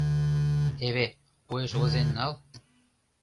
— Теве, уэш возен нал!